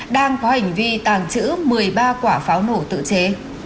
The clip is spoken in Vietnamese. đang có hành vi tàng trữ một mươi ba quả pháo nổ tự chế